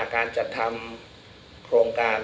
การจัดทำโครงการ